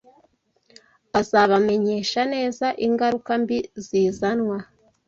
azabamenyesha neza ingaruka mbi zizanwa